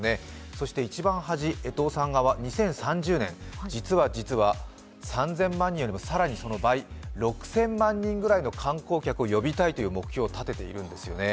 そして一番端、江藤さん側、２０３０年、実は実は３０００万人よりも更にその倍、６０００万人ぐらいの観光客を呼びたいという目標を立てているんですよね。